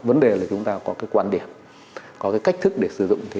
vấn đề là chúng ta có quan điểm có cái cách thức để sử dụng